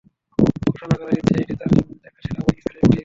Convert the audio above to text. ঘোষণা করে দিচ্ছেন, এটি তাঁর জীবনে দেখা সেরা বোলিং স্পেলের একটি।